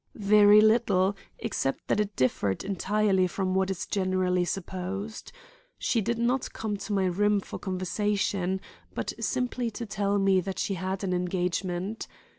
"Very little, except that it differed entirely from what is generally supposed. She did not come to my room for conversation but simply to tell me that she had an engagement.